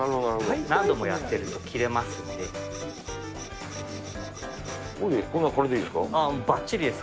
何度もやってると切れますんで。